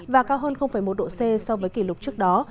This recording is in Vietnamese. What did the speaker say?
và cao hơn một độ c so với kỷ lục trước đó